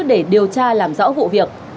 để điều tra làm rõ vụ việc